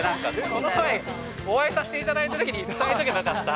この前、お会いさせていただいたときに、伝えておけばよかった。